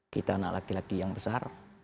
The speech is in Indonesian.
kita anak laki laki yang besar